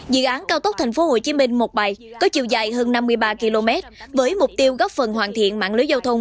dự án cao tốc tp hcm một bài có chiều dài hơn năm mươi ba km với mục tiêu góp phần hoàn thiện mạng lưới giao thông